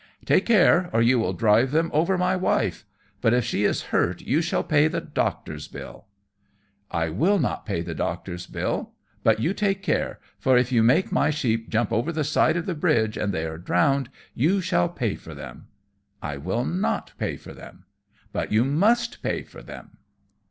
"Take care, or you will drive them over my wife. But if she is hurt you shall pay the doctor's bill." "I will not pay the doctor's bill. But you take care, for if you make my sheep jump over the side of the bridge and they are drowned you shall pay for them." "I will not pay for them." "But you must pay for them."